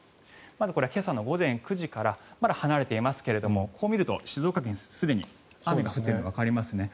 まずこれは今朝の午前９時からまだ離れていますがここを見ると静岡県はすでに雨が降っているのがわかりますね。